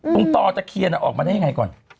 ต่อตะเคียนออกมาได้ยังไงก่อน